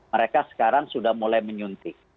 mereka sekarang sudah mulai menyuntik